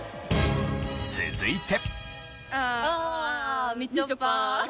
続いて。